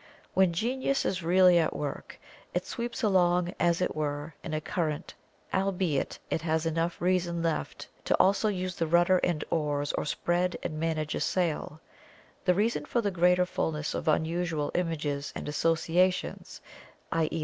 When Genius is really at work, it sweeps along, as it were, in a current, albeit it has enough reason left to also use the rudder and oars, or spread and manage a sail. The reason for the greater fullness of unusual images and associations (_i. e.